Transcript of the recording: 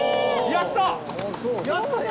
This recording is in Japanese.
やったー！